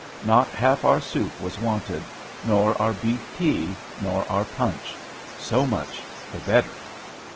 Not half our soup was wanted, nor our beef tea, nor our punch. So much the better.